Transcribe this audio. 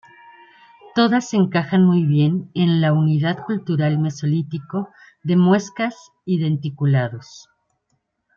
Todas encajan muy bien en la unidad cultural Mesolítico de muescas y denticulados.